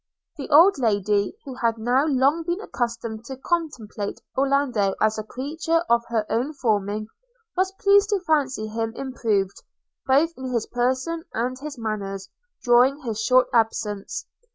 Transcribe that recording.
The old Lady, who had now long been accustomed to contemplate Orlando as a creature of her own forming, was pleased to fancy him improved, both in his person and his manners, during his short absence.